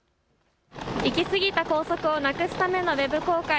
いきすぎた校則をなくすためのウェブ公開。